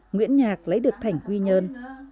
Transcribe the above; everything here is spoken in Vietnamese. nguyễn nhạc lấy được thảnh quy nhơn